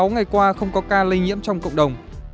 ba mươi sáu ngày qua không có ca lây nhiễm trong cộng đồng